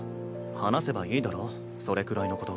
話せばいいだろそれくらいのこと。